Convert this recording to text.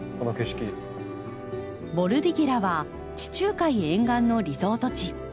ボルディゲラは地中海沿岸のリゾート地。